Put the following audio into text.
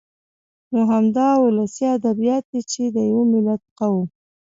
نو همدا ولسي ادبيات دي چې د يوه ملت ، قوم